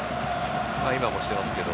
今もしてますけど。